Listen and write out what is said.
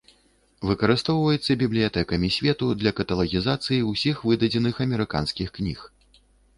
Выкарыстоўваецца бібліятэкамі свету для каталагізацыі ўсіх выдадзеных амерыканскіх кніг.